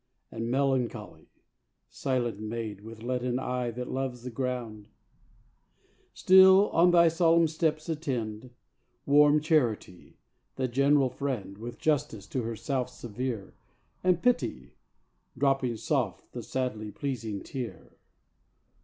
And Melancholy, silent maid, With leaden eye, that loves the ground, Still on thy solemn steps attend: Warm Charity, the general friend, With Justice, to herself severe, And Pity dropping soft the sadly pleasing tear.